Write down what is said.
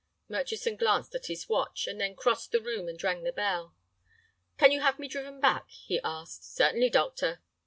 Murchison glanced at his watch, and then crossed the room and rang the bell. "Can you have me driven back?" he asked. "Certainly, doctor."